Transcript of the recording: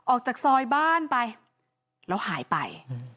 ออกจากซอยบ้านไปแล้วหายไป